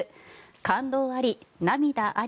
感動あり涙あり。